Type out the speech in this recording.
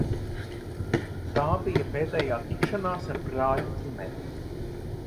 Tā bija pēdējā tikšanās ar brāļa ģimeni.